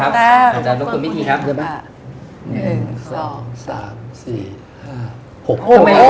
๖แป้งครับเราจะลดกลุ่มวิธีครับ